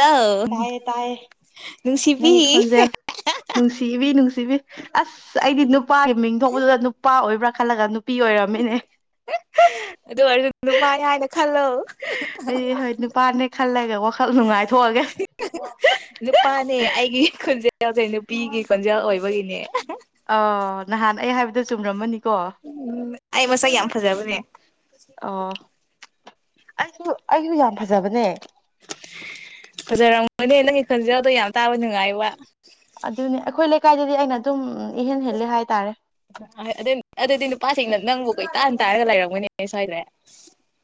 hello ꯇꯌꯦ ꯇꯌꯦ ꯅ ꯅꯨꯡꯁꯤꯕꯤ ꯏꯈꯣꯟ ꯌꯥ ꯅꯨꯡꯁꯤꯕꯤ ꯅꯨꯡꯁꯤꯕꯤ ꯑꯁ ꯑꯩꯗꯤ ꯅꯨꯄꯥꯒꯤ ꯃꯤꯡ ꯊꯄꯗꯨꯗ ꯅꯨꯄꯥ ꯑꯣꯏꯕ꯭ꯔꯥ ꯈꯜꯂꯒ ꯅꯨꯄꯤ ꯑꯣꯏꯔꯝꯃꯤꯅꯦ ꯑꯗꯨ ꯑꯣꯏꯔꯖ ꯅꯨ ꯄꯥꯏ ꯍꯥꯏꯅ ꯈꯜꯂꯣ ꯑꯩ ꯍꯣꯏ ꯅꯨꯄꯥꯅꯦ ꯈꯜꯂꯒꯦ ꯋꯥꯈꯜ ꯅꯨꯡꯉꯥꯏꯊꯣꯛꯑꯒꯦ ꯅꯨꯄꯥꯅꯦ ꯑꯩꯒꯤ ꯈꯣꯟꯖꯦꯜꯁꯦ ꯅꯨꯄꯤꯒꯤ ꯈꯣꯟꯖꯦꯜ ꯑꯣꯏꯕꯒꯤꯅꯦ ꯑ ꯅꯍꯥꯟ ꯑꯩ ꯍꯥꯏꯕꯗ ꯆꯨꯝꯔꯝꯃꯅꯤꯀꯣ ꯎꯝ ꯑꯩ ꯃꯁꯛ ꯌꯥꯝ ꯐꯖꯕꯅꯦ ꯑꯣ ꯑꯩꯁꯨ ꯑꯩꯁꯨ ꯌꯥꯝ ꯐꯖꯕꯅꯦ ꯐꯖꯔꯝꯃꯣꯏꯅꯦ ꯅꯪꯒꯤ ꯈꯟꯖꯎꯗꯣ ꯌꯥꯝ ꯇꯥꯕ ꯅꯨꯡꯉꯥꯏ ꯋꯥ ꯑꯗꯨꯅꯤ ꯑꯩꯈꯣꯏ ꯂꯩꯀꯥꯏꯗꯗꯤ ꯑꯩꯅ ꯑꯗꯨꯝ ꯏꯍꯦꯟ ꯍꯦꯜꯂꯤ ꯍꯥꯏꯇꯥꯔꯦ ꯑꯗꯨ ꯑꯗꯨꯗꯤ ꯅꯨꯄꯥꯁꯤꯡꯅ ꯅꯪꯕꯨ ꯀꯩ ꯇꯥꯟ ꯇꯥꯔꯒ ꯂꯩꯔꯝꯒꯅꯦꯅꯦ ꯁ꯭ꯋꯥꯏꯗ꯭ꯔꯦ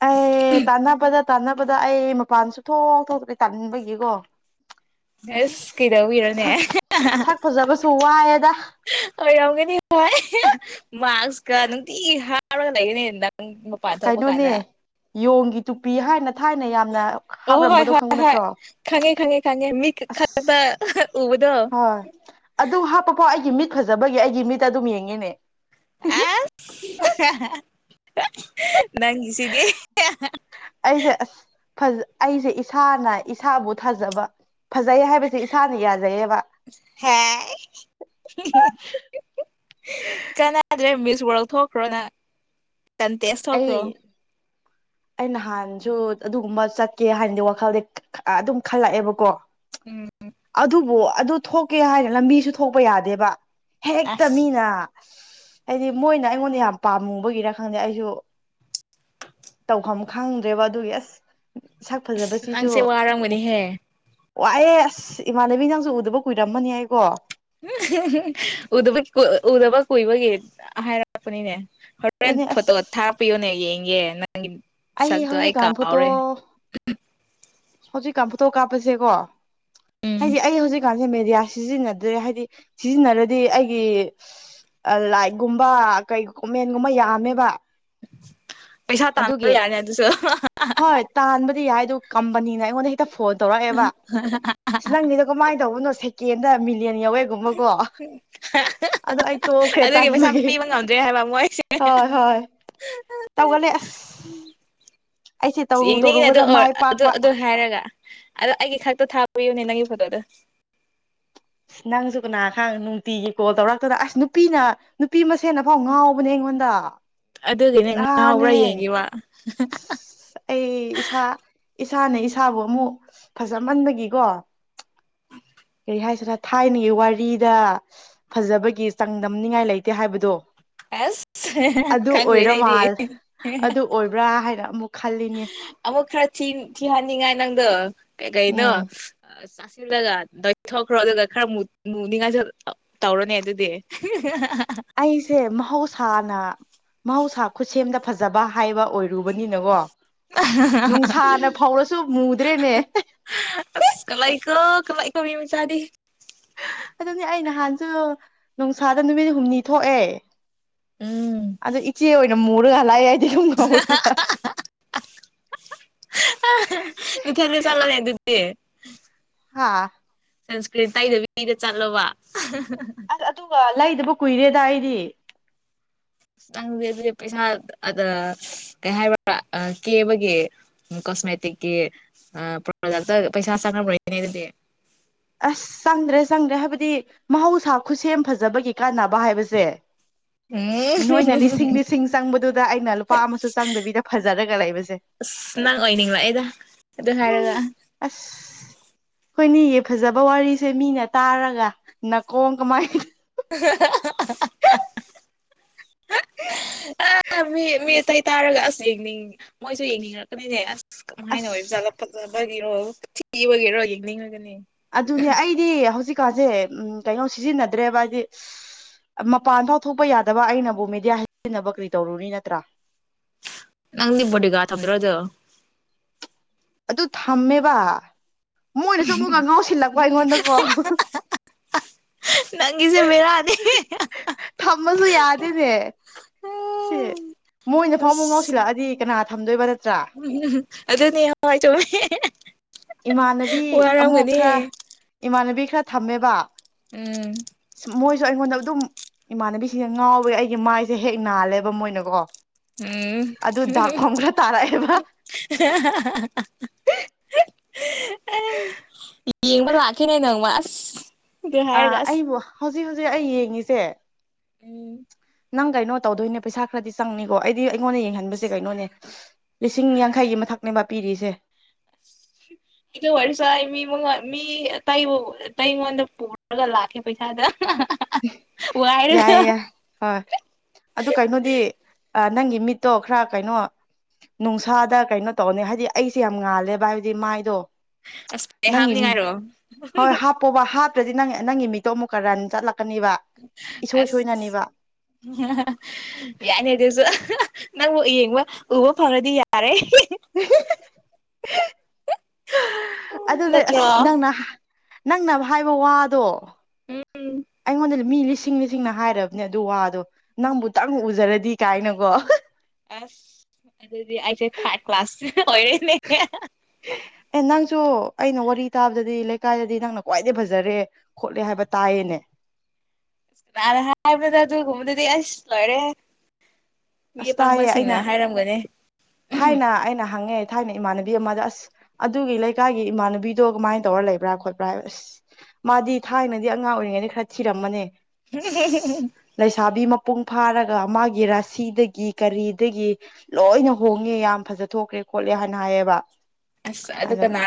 ꯑꯦ ꯇꯥꯟꯅꯕꯗ ꯇꯥꯟꯅꯕꯗ ꯑꯩ ꯃꯄꯥꯟ ꯁꯨꯊꯣꯛ ꯊꯣꯛꯇꯦ ꯇꯥꯅꯤꯡꯕꯒꯤꯀꯣ ꯑꯁ ꯁꯛ ꯐꯖꯕꯁꯨ ꯋꯥꯏꯑꯦꯗ ꯑ ꯌꯥꯎꯒꯅꯤ ꯚꯥꯏ ꯃꯥꯛꯁꯀ ꯅꯨꯡꯇꯤ ꯍꯥꯎꯔꯒ ꯂꯩꯒꯅꯤ ꯅꯪ ꯃꯄꯥꯟ ꯊꯣꯛꯄ ꯀꯩꯅꯣꯅꯦ ꯀꯥꯟꯗ ꯌꯣꯡꯒꯤ ꯇꯨꯄꯤ ꯍꯥꯏꯅ ꯊꯥꯏꯅ ꯌꯥꯝꯅ ꯍꯥꯞꯂꯝꯝꯕꯗꯣ ꯈꯪꯕ ꯅꯠꯇ꯭ꯔꯣ ꯈꯅꯦ ꯈꯅꯤ ꯈꯉ ꯃꯤ ꯈ ꯑꯁ ꯎꯕꯗꯣ ꯍꯣꯏ ꯑꯗꯨ ꯍꯥꯞꯄꯐꯥꯎ ꯑꯩꯒꯤ ꯃꯤꯠ ꯐꯖꯕꯒꯤ ꯑꯩꯒꯤ ꯃꯤꯠꯇ ꯑꯗꯨꯝ ꯌꯦꯡꯉꯤꯅꯦ ꯅꯪꯁꯤꯗꯤꯦ ꯑꯩꯗ ꯖ ꯑꯩꯁꯦ ꯏꯁꯥꯅ ꯏꯁꯥꯕꯨ ꯊꯥꯖꯕ ꯐꯖꯩ ꯍꯥꯏꯕꯁꯦ ꯏꯁꯥꯅ ꯌꯥꯖꯩꯌꯦꯕ ꯍꯦ ꯀꯅꯗ꯭ꯔꯦ ꯃꯤꯁ ꯋꯥꯔꯛ ꯊꯣꯛꯈ꯭ꯔꯣ ꯅ ꯀꯟꯇꯦꯁ ꯑꯩ ꯊꯣꯛꯈ꯭ꯔꯣ ꯑꯩ ꯅꯍꯥꯟꯁꯨ ꯑꯗꯨꯒꯨꯝꯕ ꯆꯠꯀꯦ ꯍꯥꯏꯥꯟꯅꯗꯤ ꯋꯥꯈꯜꯗꯤ ꯑꯗꯨꯝ ꯈꯜꯂꯛꯑꯦꯕꯀꯣ ꯎꯝ ꯑꯗꯨꯕꯨ ꯑꯗꯨ ꯊꯣꯛꯀꯦ ꯍꯥꯏꯔꯅ ꯂꯝꯕꯤꯁꯨ ꯊꯣꯛꯄ ꯌꯥꯗꯦꯕ ꯍꯦꯛꯇ ꯑꯁ ꯃꯤꯅ ꯍꯥꯏꯗꯤ ꯃꯣꯏꯅ ꯑꯩꯉꯣꯟꯗ ꯌꯥꯝ ꯄꯥꯝꯃꯨꯕꯒꯤꯔ ꯈꯪꯗꯦ ꯑꯩꯁꯨ ꯇꯧꯐꯝ ꯈꯪꯗ꯭ꯔꯦꯕ ꯑꯗꯨ ꯑꯁ ꯁꯛ ꯑꯁ ꯐꯖꯕꯁꯤꯁꯨ ꯅꯪꯁꯦ ꯋꯥꯔꯝꯒꯅꯤꯍꯦ ꯋꯥꯑ ꯑꯁ ꯏꯃꯥꯟꯅꯕꯤ ꯅꯪꯁꯨ ꯎꯗꯕ ꯀꯨꯏꯔꯃꯅꯤ ꯍꯥꯏꯀꯣ ꯕ ꯎꯗꯕ ꯀꯨꯏꯕꯒꯤ ꯍꯥꯏꯔꯛꯄꯅꯤꯅꯦ ꯐꯣꯔꯦꯟ ꯑꯗꯨꯅꯦ ꯑꯁ ꯐꯣꯇꯣ ꯊꯥꯛꯄꯤꯌꯣꯅꯦ ꯌꯦꯡꯒꯦ ꯅꯪꯒꯤ ꯁꯛꯇꯣ ꯑꯩ ꯍꯧꯖꯤꯛꯀꯥꯟ ꯐꯣꯇꯣ ꯀꯥꯎꯔꯦ ꯍꯧꯖꯤꯛꯀꯥꯟ ꯐꯣꯇꯣ ꯀꯥꯞꯄꯁꯦꯀꯣ ꯎꯝ ꯍꯥꯏꯗꯤ ꯑꯩ ꯍꯧꯖꯤꯛꯀꯥꯟ ꯑꯩꯅ ꯃꯦꯗꯤꯌꯥ ꯁꯤꯖꯤꯟꯅꯗ꯭ꯔꯦ ꯍꯥꯏꯗꯤ ꯁꯤꯖꯤꯟꯅꯔꯗꯤ ꯑꯩꯒꯤ ꯂꯥꯏꯛꯒꯨꯝꯕ ꯀꯩꯒ ꯃꯦꯟꯒꯨꯝꯕ ꯌꯥꯝꯃꯦꯕ ꯄꯩꯁꯥ ꯇꯥꯟꯅꯕ ꯑꯗꯨꯒꯤ ꯌꯥꯔꯅꯤ ꯑꯗꯨꯁꯨ ꯍꯣꯏ ꯇꯥꯟꯕꯗꯤ ꯌꯥꯏ ꯑꯗꯨ ꯀꯝꯄꯅꯤꯅ ꯑꯩꯉꯣꯟꯗ ꯍꯦꯛꯇ ꯐꯣꯟ ꯇꯧꯔꯛꯑꯦꯕ ꯑꯁ ꯅꯪꯁꯤꯅ ꯀꯃꯥꯏꯅ ꯇꯧꯕꯅꯣ ꯁꯦꯀꯦꯟꯗ ꯃꯤꯂꯤꯌꯟ ꯌꯥꯧꯋꯦ ꯨꯝꯕꯀꯣ ꯑꯗꯣ ꯑꯩ ꯇꯣꯛꯈ꯭ꯔꯦ ꯑꯗꯨꯒꯤ ꯄꯩꯁꯥ ꯇꯟꯕꯒꯤ ꯄꯤꯕ ꯉꯝꯗ꯭ꯔꯦ ꯍꯥꯏꯕ ꯃꯣꯏꯁꯦ ꯍꯣꯏ ꯍꯣꯏ ꯇꯧꯒꯂꯦ ꯑꯁ ꯑꯩꯁꯦ ꯇꯧꯔꯨ ꯌꯦꯡꯅꯤꯡꯏꯅꯦ ꯑꯗꯨ ꯇꯧꯔꯨꯕꯗ ꯃꯥꯏ ꯑꯗꯨ ꯄꯥꯛꯄ ꯑꯗꯨ ꯍꯥꯏꯔꯒ ꯑꯗꯣ ꯑꯩꯒꯤ ꯈꯛꯇ ꯊꯥꯕꯌꯨꯅꯦ ꯅꯪꯒꯤ ꯐꯣꯇꯣꯗꯣ ꯑꯁ ꯅꯪꯁꯨ ꯀꯅꯥ ꯈꯥꯡ ꯅꯨꯡꯇꯤꯒꯤ ꯀꯣꯜ ꯇꯧꯔꯛꯇꯗꯅ ꯑꯁ ꯅꯨꯄꯤꯅ ꯅꯨꯄꯤ ꯃꯁꯦꯅ ꯥꯎ ꯉꯥꯎꯕꯅꯦ ꯑꯩꯉꯣꯟꯗ ꯑꯗꯨꯒꯤꯅꯦ ꯉꯥꯎꯕ꯭ꯔꯥ ꯌꯦꯡꯒꯤꯕ ꯑꯁ ꯑꯩ ꯏꯁꯥ ꯏꯁꯥꯅ ꯏꯁꯥꯕꯨ ꯑꯃꯨꯛ ꯐꯖꯃꯟꯕꯒꯤꯀꯣ ꯀꯔꯤ ꯍꯥꯏꯁꯤꯅ ꯊꯥꯏꯅꯒꯤ ꯋꯥꯔꯤꯗ ꯐꯖꯕꯒꯤ ꯆꯥꯡꯗꯝꯅꯤꯉꯥꯏ ꯂꯩꯇꯦ ꯍꯥꯏꯕꯗꯣ ꯑꯁ ꯑꯗꯨ ꯈꯪꯗ꯭ꯔꯦꯅꯦ ꯑꯣꯏꯔ ꯑꯩꯗꯤ ꯃꯥꯜ ꯑꯗꯨ ꯑꯣꯏꯕ꯭ꯔꯥ ꯍꯥꯏꯅ ꯑꯃꯨꯛ ꯈꯜꯂꯤꯅꯦ ꯑꯃꯨꯛ ꯈꯔ ꯊꯤꯍꯟꯅꯤꯡꯉꯥꯏ ꯅꯪꯗ ꯀꯩ ꯀꯩꯅꯣ ꯎꯝ ꯒꯊ ꯈ꯭ꯔ ꯈꯔꯅꯤ ꯉꯥꯏ ꯇꯧꯔꯅꯦ ꯑꯗꯨꯗꯤ ꯑꯩꯁꯦ ꯃꯍꯧꯁꯥꯅ ꯃꯍꯧꯁꯥ ꯈꯨꯠꯁꯦꯝꯗ ꯐꯖꯕ ꯍꯥꯏꯕ ꯑꯣꯏꯔ ꯔꯨꯕꯅꯤꯅꯀꯣ ꯅꯨꯡꯁꯥꯅ ꯐꯧꯔꯁꯨ ꯃꯨꯗ꯭ꯔꯦꯅꯦ ꯑꯁ ꯀ ꯂꯏ ꯀ ꯀ ꯂꯏ ꯀ ꯃꯤꯃꯤ ꯆꯥꯔꯤ ꯑꯗꯨꯅꯦ ꯑꯩ ꯅꯍꯥꯟꯁꯨ ꯅꯨꯡꯁꯥꯗ ꯅꯨꯃꯤꯠ ꯍꯨꯝꯅꯤ ꯊꯣꯛꯑꯦ ꯎꯝ ꯑꯗꯨ ꯏꯆꯦ ꯑꯣꯏꯅ ꯃꯨꯔꯒ ꯂꯥꯛꯑꯏꯗꯤ ꯁꯨꯝ ꯉꯧꯔꯒ ꯏꯊꯔ ꯆꯂꯅꯦ ꯑꯗꯨꯗꯤ ꯍꯥꯥ ꯁꯟꯁꯀ꯭ꯔꯤꯟ ꯇꯩꯗꯕꯤꯗ ꯆꯠꯂꯣꯕ ꯑꯗꯨꯒ ꯂꯩꯗꯕ ꯀꯨꯏꯔꯦꯗ ꯑꯩꯗꯤ ꯅꯪꯗꯤꯦ ꯑꯗꯨꯗꯤ ꯄꯩꯁꯥ ꯑ ꯀꯩ ꯍꯥꯏꯕ꯭ꯔꯥ ꯀꯦꯕꯒꯤ ꯎ ꯀꯣꯁꯃꯦꯦꯇꯛꯀꯤ ꯑ ꯄꯖ ꯄꯩꯁꯥ ꯁꯥꯅꯅꯦ ꯑꯗꯨꯗꯤ ꯑꯁ ꯆꯪꯗ꯭ꯔꯦ ꯆꯪꯗ꯭ꯔꯦ ꯍꯥꯏꯕꯗꯤ ꯃꯍꯧꯁꯥ ꯈꯨꯠꯁꯦꯝ ꯐꯖꯕꯒꯤ ꯀꯥꯟꯅꯕ ꯍꯥꯏꯕꯁꯦ ꯎꯝ ꯅꯣꯏꯅ ꯂꯤꯁꯤꯡ ꯂꯤꯁꯤꯡ ꯆꯪꯕꯗꯨꯗ ꯑꯩꯅ ꯂꯨꯄꯥ ꯑꯃꯁꯨ ꯆꯪꯗꯕꯤꯗ ꯐꯖꯔꯒ ꯂꯩꯕꯁꯦ ꯑꯁ ꯅꯪ ꯑꯣꯏꯅꯤꯡꯂꯛ ꯑꯩꯗ ꯑꯗꯨ ꯍꯥꯏꯔꯒ ꯑꯁ ꯍꯣꯏꯅꯤ ꯐꯖꯕ ꯋꯥꯔꯤꯁꯦ ꯃꯤꯅ ꯇꯥꯔꯒ ꯅꯥꯀꯣꯡ ꯀꯃꯥꯏꯅ [unintelligible] [inaudible] ꯑ ꯃꯤ ꯃꯤ ꯑꯇꯩ ꯇꯥꯔꯒ ꯑꯁ ꯌꯦꯡꯅꯤꯡ ꯃꯣꯏꯁꯨ ꯌꯦꯡꯅꯤꯡꯉꯛꯀꯅꯤꯅꯦ ꯑꯁ ꯀꯃꯥꯏꯅ ꯑꯣꯏꯕ ꯑꯁ ꯆꯥꯠꯂ ꯐꯕꯒꯤꯔꯣ ꯊꯤꯕꯒꯤꯔꯣ ꯌꯦꯡꯅꯤꯡꯉꯒꯅꯤ ꯑꯗꯨꯅꯦ ꯑꯩꯗꯤ ꯍꯧꯖꯤꯛꯀꯥꯟꯁꯦ ꯎꯝ ꯀꯩꯅꯣ ꯁꯤꯖꯤꯟꯅꯗ꯭ꯔꯦꯕ ꯍꯥꯏꯗꯤ ꯃꯄꯥꯟ ꯐꯥꯎ ꯊꯣꯛꯄ ꯌꯥꯗꯕ ꯑꯩꯅꯕꯨ ꯃꯦꯗꯤꯌꯥ ꯍꯥꯏꯖꯤꯟꯅꯕ ꯀꯔꯤ ꯇꯧꯔꯨꯅꯤ ꯅꯠꯇ꯭ꯔꯥ ꯅꯪ ꯏꯕꯨꯣꯠꯒ ꯇꯗ꯭ꯔꯣ ꯑꯗꯨ ꯑꯗꯨ ꯊꯝꯃꯦꯕ ꯃꯣꯏꯅ ꯆ ꯑꯃꯨꯛꯀ ꯉꯥꯎꯁꯤꯜꯂꯛꯄ ꯑꯩꯉꯣꯟꯗꯀꯣ ꯅꯪꯒꯤꯁꯦ ꯃꯦꯔꯗ ꯑꯦ ꯃꯣꯏꯅ ꯐꯥꯎ ꯑꯃꯨꯛ ꯉꯥꯎꯁꯤꯜꯂꯛꯑꯗꯤ ꯀꯅꯥ ꯊꯝꯗꯣꯏꯕ ꯅꯠꯇ꯭ꯔꯥ ꯎꯝ ꯑꯗꯨ ꯅ ꯆꯣꯃꯦ ꯏꯃꯥꯟꯅꯕꯤ ꯑꯃꯨꯛ ꯈꯔ ꯏꯃꯥꯟꯅꯕꯤ ꯈꯔ ꯊꯝꯃꯦꯕ ꯎꯝ ꯃꯣꯏꯁꯨ ꯑꯩꯉꯣꯟꯗ ꯑꯗꯨꯝ ꯏꯃꯥꯟꯅꯕꯤꯁꯤꯡꯅ ꯉꯥꯎꯋꯦ ꯑꯩꯒꯤ ꯃꯥꯏꯁꯦ ꯍꯦꯛ ꯅꯥꯜꯂꯦꯕ ꯃꯣꯏꯅꯀꯣ ꯎꯝ ꯑꯗꯨ ꯗꯥꯛꯐꯝ ꯈꯔ ꯇꯥꯔꯛꯑꯦꯕ ꯌꯦꯡꯕ ꯂꯈꯤꯦꯅꯦ ꯅꯪ ꯃꯁ ꯑꯥ ꯑꯩꯕꯨ ꯍꯧꯖꯤꯛ ꯍꯧꯖꯤꯛ ꯑꯩ ꯌꯦꯡꯉꯤꯁꯦ ꯎꯝ ꯅꯪ ꯀꯩꯅꯣ ꯇꯧꯗꯣꯏꯅꯦ ꯄꯩꯁꯥ ꯈꯔꯗꯤ ꯆꯪꯅꯤꯀꯣ ꯑꯩꯗꯤ ꯑꯩꯉꯣꯟꯗ ꯌꯦꯡꯍꯟꯕꯁꯦ ꯀꯩꯅꯣꯅꯦ ꯂꯤꯁꯤꯡ ꯌꯥꯡꯈꯩꯒꯤ ꯃꯊꯛꯅꯦꯕ ꯄꯤꯔꯤꯁꯦ ꯑꯩꯗ ꯋꯥꯔꯤꯔꯁꯨ ꯑꯩ ꯃꯤ ꯃꯉꯣꯟ ꯃꯤ ꯑꯇꯩꯕꯨ ꯑꯩꯉꯣꯟꯗ ꯄꯨꯔꯒ ꯂꯥꯛꯀꯦ ꯄꯩꯁꯥꯗ ꯋꯥꯏꯔꯒ ꯌꯥꯏ ꯌꯥ ꯍꯣꯏ ꯑꯗꯨ ꯀꯩꯅꯣꯗꯤ ꯅꯪꯒꯤ ꯃꯤꯠꯇꯣ ꯈꯔ ꯀꯩꯅꯣ ꯅꯨꯡꯁꯥꯗ ꯀꯩꯅꯣ ꯇꯧꯅꯤ ꯍꯥꯏꯗꯤ ꯑꯩꯁꯦ ꯌꯥꯝ ꯉꯥꯜꯂꯦꯕ ꯍꯥꯏꯕꯗꯤ ꯃꯥꯏꯗꯣ ꯑꯁꯄ ꯍꯥꯞꯅꯤꯡꯉꯥꯏꯔꯣ ꯄꯣꯕ ꯍꯥꯞꯇ꯭ꯔꯗꯤ ꯅꯪ ꯅꯪꯒꯤ ꯃꯤꯇꯣ ꯑꯃꯨꯛꯀ ꯔꯟ ꯆꯠꯂꯛꯀꯅꯤꯕ ꯏꯁꯣꯏ ꯑꯁ ꯁꯣꯏꯅꯅꯦꯕ ꯌꯥꯏꯅꯤ ꯑꯗꯨꯁꯨ ꯅꯪꯕꯨ ꯌꯦꯡꯕ ꯎꯕ ꯐꯔꯗꯤ ꯌꯥꯔꯦ ꯑꯗꯨꯅꯦ ꯑꯁ ꯅꯠꯇ꯭ꯔꯣ ꯅꯪꯅ ꯅꯪꯅꯕ ꯍꯥꯏꯕ ꯋꯥꯗꯣ ꯎꯝ ꯑꯩꯉꯣꯟꯗꯗꯤ ꯃꯤ ꯂꯤꯁꯤꯡ ꯂꯤꯁꯤꯡꯅ ꯍꯥꯏꯔꯕꯅꯦ ꯑꯗꯨ ꯋꯥꯗꯣ ꯅꯪꯕꯨꯇꯪ ꯎꯖꯔꯗꯤ ꯀꯥꯏꯅꯀꯣ ꯑꯁ ꯑꯗꯨꯗꯤ ꯑꯩꯁꯦ ꯊꯥꯔꯠ ꯀ꯭ꯂꯥꯁ ꯑꯣꯏꯔꯣꯏꯅꯦ ꯑꯦ ꯅꯪꯁꯨ ꯑꯩꯅ ꯋꯥꯔꯤ ꯇꯥꯕꯗꯗꯤ ꯂꯩꯀꯥꯏꯗꯗꯤ ꯅꯪꯅ ꯈ꯭ꯋꯥꯏꯗꯩ ꯐꯖꯔꯦ ꯈꯣꯠꯂꯦ ꯍꯥꯏꯕ ꯇꯥꯏꯌꯦꯅꯦ ꯅꯥꯟꯍꯥꯏꯕꯗ ꯇꯨ ꯀꯨꯃꯨꯗꯗꯤ ꯑꯁ ꯂꯣꯏꯔꯦ ꯃꯤ ꯑꯁ ꯇꯥꯏꯌꯦ ꯑꯩꯅ ꯑꯄꯥꯥꯡꯝꯕꯁꯤꯡꯅ ꯍꯥꯏꯔꯝꯒꯅꯤ ꯊꯥꯏꯅ ꯑꯩꯅ ꯍꯪꯉꯦ ꯊꯥꯏꯅ ꯏꯃꯥꯟꯅꯕꯤ ꯑꯃꯗ ꯑꯁ ꯑꯗꯨꯒꯤ ꯂꯩꯀꯥꯏꯒꯤ ꯏꯃꯥꯟꯅꯕꯤꯗꯣ ꯀꯃꯥꯏꯅ ꯇꯧꯔ ꯂꯩꯕ꯭ꯔꯥ ꯈꯣꯠꯄ꯭ꯔꯥ ꯍꯥꯏꯕꯁ ꯃꯥꯗꯤ ꯊꯥꯏꯅꯗꯤ ꯑꯉꯥꯡ ꯑꯣꯏꯔꯤꯉꯩꯗ ꯈꯔ ꯊꯤꯔꯝꯃꯅꯦ [unintelligible] ꯂꯩꯁꯥꯕꯤ ꯃꯄꯨꯡ ꯐꯥꯔꯒ ꯃꯥꯒꯤ ꯔꯥꯁꯤꯗꯒꯤ ꯀꯔꯤꯗꯒꯤ ꯂꯣꯏꯅ ꯍꯣꯡꯉꯦ ꯌꯥꯝ ꯐꯖ ꯊꯣꯛꯈ꯭ꯔꯦ ꯈꯣꯠꯂꯦ ꯍꯥꯟꯅ ꯍꯥꯏꯌꯦꯕ ꯑꯁ ꯑꯗꯨ ꯑꯗꯣ ꯀꯅꯥ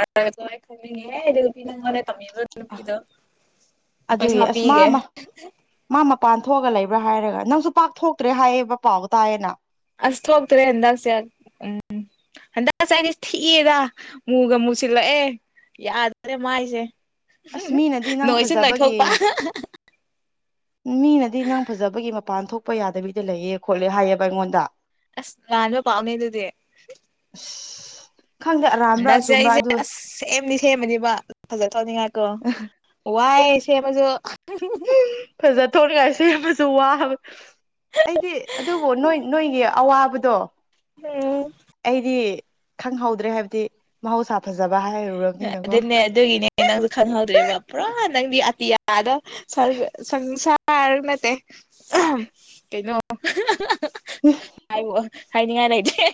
ꯈꯪꯅꯤꯡꯉꯦꯗꯤ ꯅꯨꯄꯤ ꯅꯪꯉꯅꯦ ꯇꯝꯃꯤꯕ ꯅꯨꯄꯤꯗꯣ ꯑꯗꯨꯒꯤ ꯄꯩꯁꯥ ꯑꯁꯃ ꯄꯤꯒꯦ ꯑꯃ ꯃꯥ ꯃꯄꯥꯟ ꯊꯣꯛꯑꯒ ꯂꯩꯕ꯭ꯔꯥ ꯍꯥꯏꯔꯒ ꯅꯪꯁꯨ ꯄꯥꯛ ꯊꯣꯛꯇ꯭ꯔꯦ ꯍꯥꯏꯌꯦꯕ ꯄꯥꯎ ꯇꯥꯏꯌꯦꯅ ꯑꯁ ꯍꯣꯇꯔꯦ ꯍꯟꯗꯁꯤ ꯌꯥ ꯎꯝ ꯍꯟꯗꯛꯁꯥꯏꯁ ꯊꯤꯛꯑꯦꯗ ꯃꯨꯒ ꯃꯨꯁꯤꯜꯂꯛꯑꯦ ꯌꯥꯗ꯭ꯔꯦ ꯃꯥꯏꯁꯦ ꯑꯁ ꯃꯤꯅꯗꯤ ꯅꯪ ꯅꯣꯏꯁꯨ ꯅꯣꯏꯊꯣꯛꯄ ꯐꯖꯕꯒꯤ ꯃꯤꯅꯗꯤ ꯅꯪ ꯐꯖꯕꯒꯤ ꯃꯄꯥꯟ ꯊꯣꯛꯄ ꯌꯥꯗꯕꯤꯗ ꯂꯩꯌꯦ ꯈꯣꯠꯂꯦ ꯍꯥꯏꯌꯦꯕ ꯑꯩꯉꯣꯟꯗ ꯑꯁ ꯂꯥꯟꯕ ꯄꯥꯝꯅꯦ ꯑꯗꯨꯗꯤ ꯑꯁ ꯈꯪꯗꯦ ꯑꯔꯥꯟꯕ꯭ꯔꯥ ꯑꯆꯨꯝꯕ꯭ꯔꯥ ꯑꯗꯨꯒ ꯁꯦꯝꯅꯤ ꯁꯦꯝꯃꯅꯦꯕ ꯐꯖ ꯇꯧꯅꯤꯡꯉꯥꯛꯀꯣ ꯋꯥꯏ ꯁꯦꯝꯃꯁꯨ ꯎ ꯐꯖ ꯊꯣꯛꯅꯤꯡꯉꯥꯏꯁꯨꯦ ꯌꯥꯝ ꯐꯁꯨ ꯋꯥꯕ ꯑꯩꯗꯤ ꯑꯗꯨꯕꯨ ꯅꯣꯏ ꯅꯣꯏꯒꯤ ꯑꯋꯥꯕꯗꯣ ꯎꯝ ꯑꯩꯗꯤ ꯈꯪꯍꯧꯗ꯭ꯔꯦ ꯍꯥꯏꯕꯗꯤ ꯃꯍꯧꯁꯥ ꯐꯖꯕ ꯍꯥꯏꯔ ꯑꯗꯨꯅꯦ ꯑꯗꯨ ꯏꯅꯦ ꯅꯪꯁꯨ ꯈꯪꯍꯧꯗ꯭ꯔꯦꯕ ꯄꯨꯔꯥ ꯅꯪꯗꯤ ꯑꯇꯤꯌꯥꯗ ꯐꯥꯔ ꯅꯠꯇꯦ ꯀꯩꯅꯣ ꯎꯝ ꯍꯥꯏꯕ ꯍꯥꯏꯅꯤꯡꯉꯥꯏ ꯂꯩꯇꯦ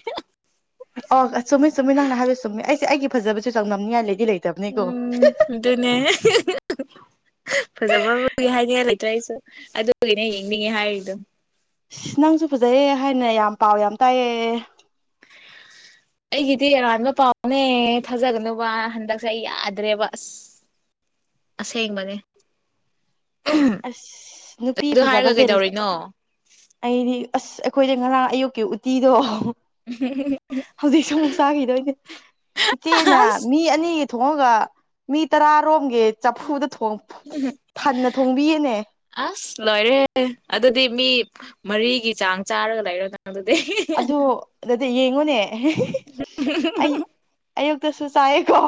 ꯑꯣ ꯑ ꯆꯨꯝꯃꯤ ꯆꯨꯝꯃꯤ ꯅꯪꯅ ꯍꯥꯏꯕ ꯆꯨꯝꯃꯤ ꯑꯩꯁꯦ ꯑꯩꯒꯤ ꯐꯖꯕꯁꯨꯦ ꯆꯥꯡꯗꯝꯝꯅꯤꯉꯥꯏ ꯂꯩꯗꯤ ꯂꯩꯇꯕꯅꯤꯀꯣ ꯑꯗꯨꯗꯤꯅꯦ ꯐꯖꯕꯒꯤ ꯍꯥꯏꯗꯤꯅ ꯂꯩꯇ꯭ꯔꯥ ꯑꯩꯁꯨ ꯑꯗꯨꯒꯤꯅꯦ ꯌꯦꯡꯅꯤꯡꯉꯦ ꯍꯥꯏꯔꯤꯗꯣ ꯑ ꯅꯪꯁꯨ ꯐꯖꯩꯑ ꯍꯥꯏꯅ ꯌꯥꯝ ꯄꯥꯎ ꯌꯥꯝ ꯇꯥꯏꯌꯦ ꯑꯩꯒꯤꯗꯤ ꯑꯔꯥꯟꯕ ꯄꯥꯎꯅꯦ ꯊꯥꯖꯒꯅꯨꯕ ꯍꯟꯗꯛꯁꯦ ꯑꯩ ꯌꯥꯗ꯭ꯔꯦꯕ ꯑꯁ ꯑꯁꯦ ꯃꯅꯦ ꯑꯁ ꯅꯨꯄꯤ ꯑꯗꯨ ꯍꯥꯏꯔꯒ ꯐꯖꯕꯁꯦꯜ ꯀꯩꯗꯧꯔꯤꯅꯣ ꯑꯩꯗꯤ ꯑꯁ ꯑꯩꯈꯣꯏꯗ ꯉꯔꯥꯡ ꯑꯌꯨꯛꯀꯤ ꯎꯇꯤꯗꯣ ꯎꯝ ꯍꯧꯖꯤꯛꯁꯨ ꯑꯃꯨꯛ ꯆꯥꯈꯤꯗꯣꯏꯅꯦ ꯏꯆꯦꯅ ꯑꯁ ꯃꯤ ꯑꯅꯤꯒꯤ ꯊꯣꯡꯉꯒ ꯃꯤ ꯇꯔꯥꯔꯣꯝꯒꯤ ꯆꯐꯨꯗ ꯊꯣꯡ ꯐꯟꯅ ꯊꯣꯡꯕꯤꯌꯦꯅꯦ ꯑꯁ ꯂꯣꯏꯔꯦ ꯑꯗꯨꯗꯤ ꯃꯤ ꯃꯔꯤꯒꯤ ꯆꯥꯡ ꯆꯥꯔꯒ ꯂꯩꯔꯣ ꯅꯪ ꯑꯗꯨꯗꯤ ꯑꯗꯨ ꯑꯗꯨꯗꯤ ꯌꯦꯡꯉꯨꯅꯦ ꯑꯩ ꯑꯌꯨꯛꯇꯁꯨ ꯆꯥꯏꯑꯀꯣ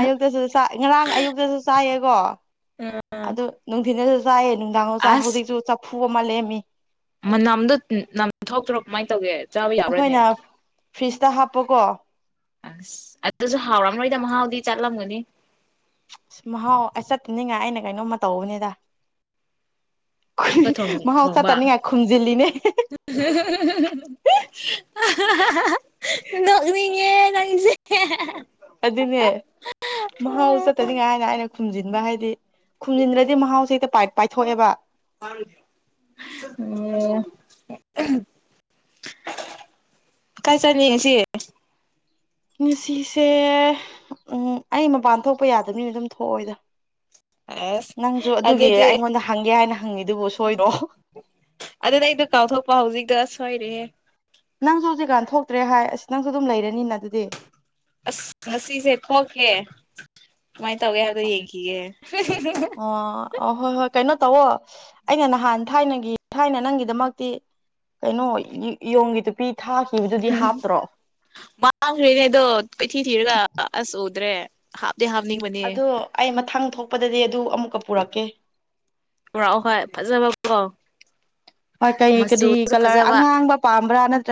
ꯑꯌꯨꯛꯇꯁꯨ ꯆꯥꯏ ꯉꯔꯥꯡ ꯑꯌꯨꯛꯇꯁꯨ ꯆꯥꯏꯌꯦꯀꯣ ꯑꯗꯨ ꯅꯨꯡꯊꯤꯗꯁꯨ ꯆꯥꯏꯌꯦ ꯅꯨꯡꯗꯥꯡꯣ ꯆꯥꯏ ꯍꯧꯖꯤꯛꯁꯨ ꯆꯐꯨ ꯑꯃ ꯂꯩꯔꯝꯃꯤ ꯃꯅꯥꯝꯗꯣ ꯅꯝ ꯊꯣꯛꯇ꯭ꯔꯣ ꯀꯃꯥꯏꯅ ꯇꯧꯒꯦ ꯆꯥꯕ ꯑꯩꯈꯣꯏꯅ ꯌꯥꯕ꯭ꯔꯥꯅꯦ ꯐ꯭ꯔꯤꯖꯇ ꯍꯥꯞꯄꯀꯣ ꯑꯁ ꯑꯗꯨꯁꯨ ꯍꯥꯎꯔꯝꯔꯣꯏꯗ ꯃꯍꯥꯎꯗꯤ ꯆꯠꯂꯝꯒꯅꯤ ꯑ ꯃꯍꯥꯎ ꯑꯩ ꯆꯠꯇꯅꯤꯉꯥꯏ ꯑꯩꯅ ꯀꯩꯅꯣꯝꯃ ꯇꯧꯕꯅꯤꯗ ꯑꯃꯨꯛꯀ ꯃꯍꯧꯁꯥ ꯊꯣꯡꯕ ꯇꯥꯅꯤꯡꯉꯥꯏ ꯈꯨꯝꯖꯤꯜꯂꯤꯅꯦ [unintelligible] ꯅꯅꯤꯉ ꯀꯁꯦ ꯑꯗꯨꯅꯦ ꯃꯍꯥꯎ ꯆꯠꯇꯅꯤꯉꯥꯏꯅ ꯑꯩꯅ ꯈꯨꯝꯖꯤꯟꯕ ꯍꯥꯏꯗꯤ ꯈꯨꯟꯖꯟꯗ꯭ꯔꯗꯤ ꯃꯍꯥꯎꯁꯦ ꯍꯦꯛꯇ ꯄꯥꯢ [unintelligible] ꯑꯣ ꯀꯥꯏ ꯆꯠꯅꯤ ꯉꯁꯤ ꯉꯁꯤꯁꯦ ꯎꯝ ꯑꯩ ꯃꯄꯥꯟ ꯊꯣꯛꯄ ꯌꯥꯗꯕꯅꯤꯅ ꯑꯗꯨꯝ ꯊꯣꯛꯑꯣꯏꯗ ꯑꯁ ꯅꯪꯁꯨ ꯑꯗꯨꯒꯤ ꯑꯗꯨꯗꯤ ꯑꯩꯉꯣꯟꯗ ꯍꯪꯒꯦ ꯍꯥꯏꯅ ꯍꯪꯉꯤꯗꯨꯕꯨ ꯁꯣꯏꯔꯣ ꯑꯗꯨꯅꯦ ꯑꯩꯗꯣ ꯀꯥꯎꯊꯣꯛꯄ ꯍꯧꯖꯤꯛꯇ ꯁꯣꯏꯔꯦꯍꯦ ꯅꯪꯁꯨ ꯍꯧꯖꯤꯛꯀꯥꯟ ꯊꯣꯛꯇ꯭ꯔꯦ ꯍꯥꯢ ꯑꯁ ꯑꯗꯨꯗꯤ ꯅꯪꯁꯨ ꯑꯗꯨꯝ ꯂꯩꯔꯅꯤꯅ ꯑꯗꯨꯗꯤ ꯑꯁ ꯉꯁꯤꯁꯦ ꯊꯣꯛꯀꯦ ꯀꯃꯥꯏꯅ ꯇꯧꯒꯦ ꯍꯥꯏꯕꯗꯣ ꯌꯦꯡꯈꯤꯒꯦ ꯑꯣ ꯑ ꯍꯣꯏ ꯍꯣꯏ ꯀꯩꯅꯣ ꯇꯧꯋ ꯑꯩꯅ ꯅꯍꯥꯟ ꯊꯥꯏꯅꯒꯤ ꯊꯥꯏꯅ ꯅꯪꯒꯤꯗꯃꯛꯇꯤ ꯀꯩꯅꯣ ꯏꯣꯡꯒꯤ ꯇꯨꯄꯤ ꯊꯥꯈꯤꯕꯗꯨꯗꯤ ꯍꯥꯞꯇ꯭ꯔꯣ ꯃꯥꯡꯈ꯭ꯔꯦꯅꯦ ꯑꯗꯣ ꯀꯩꯊꯤ ꯊꯤꯔꯒ ꯑꯁ ꯎꯗ꯭ꯔꯦ ꯍꯥꯞꯇꯦ ꯍꯥꯞꯅꯤꯡꯕꯅꯦ ꯑꯗꯣ ꯑꯩ ꯃꯊꯪ ꯊꯣꯛꯄꯗꯗꯤ ꯑꯗꯨ ꯑꯃꯨꯛꯀ ꯄꯨꯔꯛꯀꯦ ꯎ ꯍꯣꯏ ꯐꯖꯕ ꯀꯣ ꯍꯣꯏ ꯀꯩ ꯀꯔꯤ ꯀꯂꯔ ꯐꯖꯕ ꯑꯉꯥꯡꯕ ꯄꯥꯝꯕ꯭ꯔꯥꯅꯠꯇ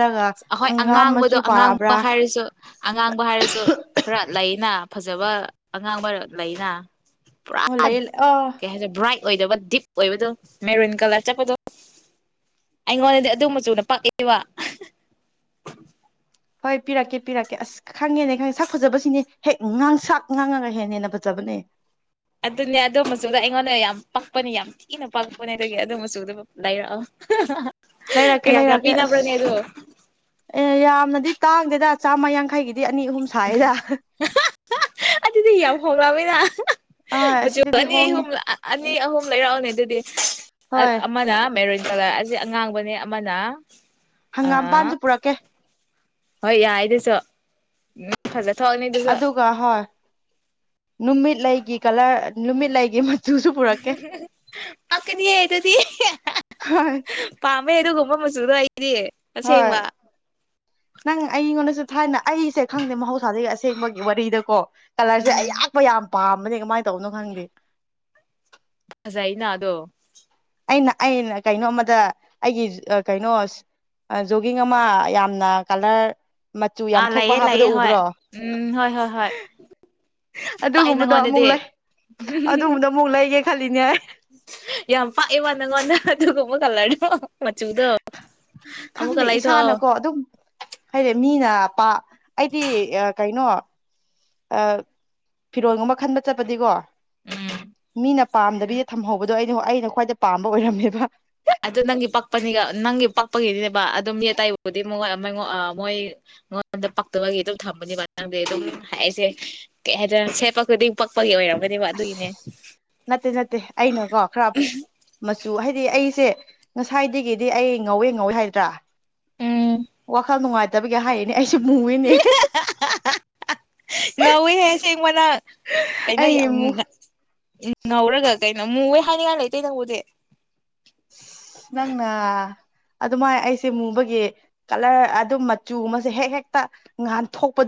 ꯑꯍꯣꯏ ꯑꯉꯥꯡꯕꯗꯣ ꯑꯉꯥꯡꯕ ꯍꯥꯏꯔꯁꯨ ꯑꯉꯥꯡꯕ ꯍꯥꯏꯔꯁꯨ ꯈꯔ ꯂꯩꯅ ꯐꯖꯕ ꯑꯉꯥꯡꯕ ꯂꯩꯅ ꯄꯨꯔꯥ ꯑꯣ ꯂꯩ ꯑꯣ ꯀꯩ ꯍꯥꯏꯖꯤꯔ ꯕ꯭ꯔꯥꯏꯠ ꯑꯣꯏꯗꯕ ꯗꯤꯞ ꯑꯣꯏꯕꯗꯣ ꯃꯦꯔꯨꯟ ꯀꯂꯔ ꯆꯠꯄꯗꯣ ꯑꯩꯉꯣꯟꯗꯗꯤ ꯑꯗꯨ ꯃꯆꯨꯅ ꯄꯛꯑꯦꯕ ꯍꯣꯏ ꯄꯤꯔꯛꯀꯦ ꯄꯤꯔꯛꯀꯦ ꯑꯁ ꯈꯪꯉꯦꯅꯦ ꯈꯪꯉꯦ ꯁꯛ ꯐꯖꯕꯁꯤꯅꯦ ꯍꯦꯛ ꯉꯥꯡꯁꯛ ꯉꯥꯡꯉꯒ ꯍꯦꯟꯅ ꯍꯦꯟꯅ ꯐꯖꯕꯅꯦ ꯑꯗꯨꯅꯦ ꯑꯗꯨ ꯃꯆꯨꯗ ꯑꯩꯉꯣꯟꯗ ꯌꯥꯝ ꯄꯥꯛꯄꯅꯦ ꯌꯥꯝ ꯊꯤꯅ ꯄꯥꯛꯄꯅꯦ ꯑꯗꯨꯒꯤ ꯑꯗꯨꯝ ꯃꯆꯨꯗ ꯂꯩꯗꯥꯏꯔꯛꯑꯣ ꯂꯩꯔꯛꯀꯦ ꯀꯌꯥ ꯀꯌꯥ ꯂꯩꯔꯛꯀꯦ ꯑꯁ ꯄꯤꯅꯕ꯭ꯔꯣꯅꯦ ꯑꯗꯣ ꯑꯦ ꯌꯥꯝꯅꯗꯤ ꯇꯥꯡꯗꯦꯗ ꯆꯥꯝꯃ ꯌꯥꯡꯈꯩꯒꯤꯗꯤ ꯍꯨꯝꯁꯥꯏꯗ ꯑꯗꯨꯗꯤ ꯌꯥꯝ ꯍꯔꯛꯑꯕꯅꯤꯅ ꯑꯥ ꯃꯆꯨ ꯑꯁꯤꯗꯗꯤ ꯑꯅꯤ ꯍꯣꯡꯉꯦ ꯑꯍꯨꯝ ꯑꯅꯤ ꯑꯍꯨꯝ ꯂꯩꯔꯛꯑꯣꯅꯦ ꯑꯗꯨꯗꯤ ꯑ ꯍꯣꯏ ꯑꯃꯅ ꯃꯦꯔꯣꯏꯟ ꯀꯂꯥ ꯑꯁꯤꯁ ꯑꯉꯥꯡꯕꯅꯦ ꯑꯃꯅ ꯑ ꯍꯪꯒꯥꯝꯄꯥꯟꯖꯨ ꯄꯨꯔꯛꯀꯦ ꯍꯣꯏ ꯌꯥꯏ ꯑꯗꯨꯁꯨ ꯅꯪ ꯐꯖ ꯊꯣꯛꯑꯅꯤ ꯑꯗꯨꯁꯨ ꯑꯗꯨꯒ ꯍꯣꯏ ꯅꯨꯃꯤꯠ ꯂꯩꯒꯤ ꯀꯂꯔ ꯅꯨꯃꯤꯠꯂꯒꯤ ꯄꯀꯅꯤꯍꯦ ꯑꯗꯨꯗꯤ ꯍꯣꯏ ꯄꯥꯝꯃꯦꯗꯨ ꯀꯨꯝꯕ ꯃꯆꯁꯨꯗ ꯍꯥꯏꯔꯤꯑꯌꯦ ꯍꯣꯏ ꯅꯪ ꯑꯩꯉꯣꯟꯗꯁꯨ ꯊꯥꯏꯅ ꯑꯩꯁꯦ ꯈꯪꯗꯦ ꯃꯍꯧꯁꯥꯗꯒꯤ ꯑꯁꯦꯡꯕꯒꯤ ꯋꯥꯔꯤꯗꯀꯣ ꯀꯂꯔꯁꯦ ꯎꯝ ꯑꯌꯥꯛꯄ ꯌꯥꯝ ꯄꯥꯝꯕꯅꯦ ꯀꯃꯥꯏꯅ ꯇꯧꯕꯅꯣ ꯈꯪꯗꯦ ꯐꯖ ꯑꯩꯅ ꯑꯗꯣ ꯑꯩꯅ ꯑꯩꯅ ꯀꯩꯅꯣꯝꯃꯗ ꯑꯩꯒꯤ ꯀꯩꯅꯣ ꯖꯣꯒꯤꯡ ꯑꯃ ꯌꯥꯝꯅ ꯀꯥꯂꯔ ꯃꯆꯨ ꯌꯥꯝ ꯑꯥ ꯊꯣꯛꯄ ꯂꯩꯌꯦ ꯍꯥꯞꯄꯗ ꯂꯩꯌꯦ ꯍꯣꯏ ꯎꯕ꯭ꯔꯣ ꯎꯝ ꯍꯣꯏ ꯍꯣꯏ ꯍꯣꯏ ꯄꯥꯛꯑꯦ ꯑꯗꯨꯒꯨꯝꯕꯗꯣ ꯑꯃꯨꯛ ꯅꯪꯉꯣꯟꯗꯗꯤ ꯂꯩ ꯑꯗꯨꯒꯨꯝꯕꯗ ꯑꯃꯨꯛ ꯂꯩꯒꯦ ꯈꯜꯂꯤꯅꯦ ꯑꯩ ꯌꯥꯝ ꯄꯥꯛꯑ ꯋꯥ ꯅꯪ ꯋꯥꯟꯅ ꯑꯗꯨꯒ ꯀꯕ ꯀꯜꯂꯅꯤꯣ ꯃꯆꯕꯨꯗ ꯑꯃꯃꯨ ꯀ ꯂꯒꯤ ꯊ ꯑꯗꯨ ꯑꯗꯨꯝ ꯍꯥꯏꯗꯤ ꯃꯤꯅ ꯄ ꯑꯩꯗꯤ ꯀꯩꯅꯣ ꯐꯤꯔꯣꯜꯒꯨꯝꯕ ꯈꯟꯕ ꯆꯠꯄꯗꯤꯀꯣ ꯎꯝ ꯃꯤꯅ ꯄꯥꯝꯗꯕꯤ ꯊꯝꯍꯧꯕꯗꯣ ꯑꯩꯅ ꯑꯩꯅ ꯈ꯭ꯋꯥꯏꯗ ꯄꯥꯝꯕ ꯑꯣꯏꯔꯝꯃꯦꯕ ꯑꯗꯨ ꯅꯪꯒꯤ ꯄꯥꯛꯄꯅꯤꯒ ꯅꯪꯒꯤ ꯄꯛꯄꯒꯤꯗꯤꯅꯦꯕ ꯑꯗꯨꯝ ꯃꯤ ꯑꯇꯇꯩꯕꯨꯗꯤꯉ ꯃꯣꯏ ꯃꯉꯣꯟꯗ ꯄꯛꯇꯕꯒꯤ ꯑꯗꯨꯝ ꯊꯝꯕꯅꯦꯕ ꯅꯪꯗꯤ ꯑꯗꯨꯝ ꯍꯥꯏ ꯑꯩꯁꯦ ꯀꯩ ꯍꯥꯏꯗꯅ ꯁꯦꯠꯄ ꯈꯨꯗꯤꯡ ꯄꯛꯄꯒꯤ ꯑꯣꯏꯔꯝꯒꯅꯦꯕ ꯑꯗꯨꯒꯤ ꯅꯠꯇꯦ ꯅꯠꯇꯦ ꯑꯩꯅ ꯀꯣ ꯈꯔ ꯃꯆꯨ ꯍꯥꯏꯗꯤ ꯑꯩꯁꯦ ꯉꯁꯥꯏꯗꯒꯤꯗꯤ ꯑꯩ ꯉꯧꯋꯦ ꯉꯧꯋꯦ ꯍꯥꯏꯗ꯭ꯔꯥ ꯎꯝ ꯋꯥꯈꯜ ꯅꯨꯡꯉꯥꯏꯇꯕꯒꯤ ꯍꯥꯏꯌꯦꯅꯦ ꯑꯩꯁꯨ ꯃꯨꯏꯅꯦ ꯉꯧꯋꯤ ꯍꯥꯏꯁꯦꯡꯕꯅ ꯀꯩꯅꯣ ꯑꯩ ꯌꯥꯝ ꯉꯧꯔꯒ ꯀꯩꯅꯣ ꯃꯨ ꯍꯣꯏ ꯍꯥꯏꯅꯤꯡꯉꯥꯏ ꯂꯩꯇꯩꯩꯅꯪꯉꯕꯨꯗꯤ ꯅꯪꯅ ꯑꯗꯨꯃꯥꯏꯅ ꯑꯩꯁꯦ ꯃꯨꯕꯒꯤ ꯀꯂꯔ ꯑꯗꯨꯝ ꯃꯆꯨ ꯑꯃꯁꯦ ꯍꯦꯛ ꯍꯦꯛꯇ ꯉꯍꯟꯊꯣꯛꯄ